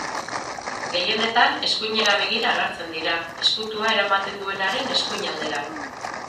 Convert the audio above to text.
Gehienetan eskuinera begira agertzen dira, ezkutua eramaten duenaren eskuin aldera.